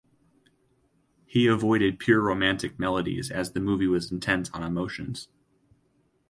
He avoided pure romantic melodies as the movie was intense on emotions.